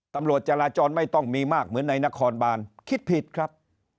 ตำรวจจราจรไม่ต้องมีมากเหมือนในนครบานคิดผิดครับ